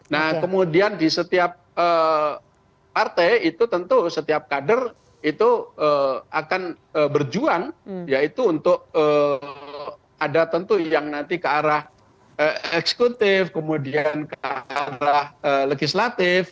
nah kemudian di setiap partai itu tentu setiap kader itu akan berjuang yaitu untuk ada tentu yang nanti ke arah eksekutif kemudian ke arah legislatif